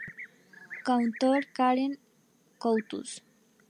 Coautor con Karen H. Coutts.